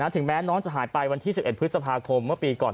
ถึงแม้น้องจะหายไปวันที่๑๑พฤษภาคมเมื่อปีก่อน